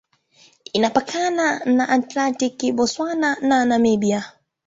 Imepakana na Atlantiki, Botswana na Namibia.